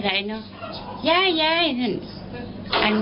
คุณมากซักแรก